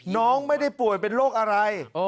น้องไม่ได้ป่วยเป็นโรคอะไร